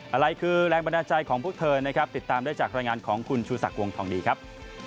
อะไรคือแรงบันดาลใจของพวกเธอนะครับติดตามได้จากรายงานของคุณชูศักดิ์วงทองดีครับ